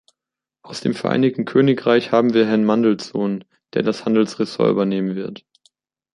Aus dem Vereinigten Königreich haben wir Herrn Mandelson, der das Handelsressort übernehmen wird.